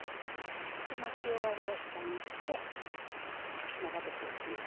巻き終わりを下にして並べていきます。